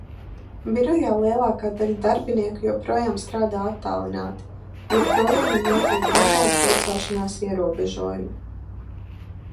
Birojā lielākā daļa darbinieku joprojām strādā attālināti. Joprojām ir noteikti dažādi pulcēšanās ierobežojumi.